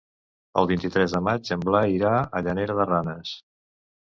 El vint-i-tres de maig en Blai irà a Llanera de Ranes.